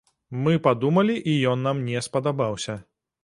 Мы падумалі, і ён нам не спадабаўся.